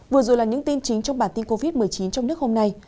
vừa rồi là những tin chính trong bản tin covid một mươi chín trong nước hôm nay